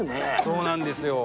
そうなんですよ。